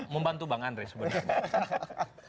membantu bang andre sebenarnya